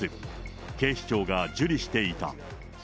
警視庁が受理していた。